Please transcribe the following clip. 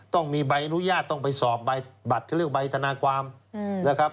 ต้องมีใบอนุญาตต้องไปสอบใบบัตรเขาเรียกใบธนาความนะครับ